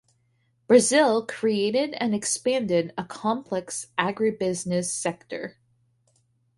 Brazil created and expanded a complex agribusiness sector.